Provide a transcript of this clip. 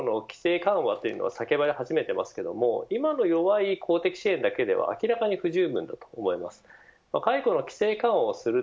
今日本でも解雇の規制緩和というのが叫ばれ始めていますけど今の弱い公的支援だけでは明らかに不十分だと思います。